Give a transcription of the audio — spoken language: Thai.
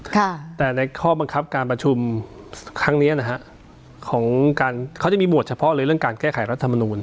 แต่ในข้อบังคับการประชุมครั้งเนี้ยนะฮะของการเขาจะมีหมวดเฉพาะเลยเรื่องการแก้ไขรัฐมนูล